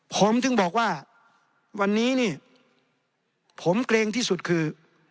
ผมถึงบอกว่าวันนี้นี่ผมเกรงที่สุดคือ